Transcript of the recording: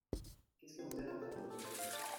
Qu'est-ce que vous êtes en train d'ouvrir ?